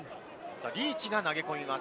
リーチが投げ込みます。